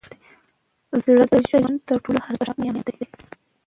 زړه د ژوند تر ټولو ارزښتناک نعمت دی.